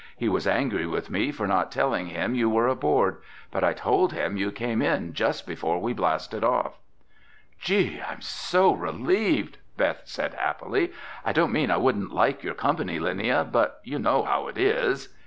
He was angry with me for not telling him you were aboard, but I told him you came in just before we blasted off." "Gee, I'm so relieved!" Beth said happily. "I don't mean I wouldn't like your company, Linnia, but you know how it is."